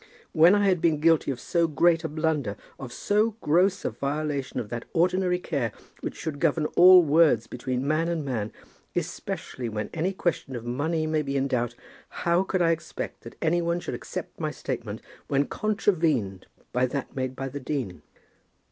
When I had been guilty of so great a blunder, of so gross a violation of that ordinary care which should govern all words between man and man, especially when any question of money may be in doubt, how could I expect that any one should accept my statement when contravened by that made by the dean?